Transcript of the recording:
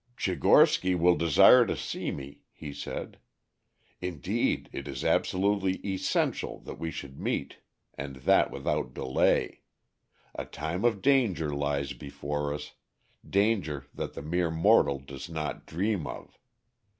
"Tchigorsky will desire to see me," he said. "Indeed, it is absolutely essential that we should meet and that without delay. A time of danger lies before us danger that the mere mortal does not dream of.